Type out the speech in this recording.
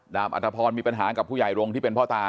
อัตภพรมีปัญหากับผู้ใหญ่รงค์ที่เป็นพ่อตา